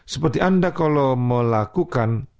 seperti anda kalau melakukan